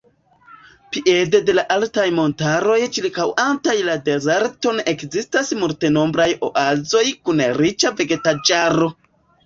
Piede de la altaj montaroj ĉirkaŭantaj la dezerton ekzistas multnombraj oazoj kun riĉa vegetaĵaro.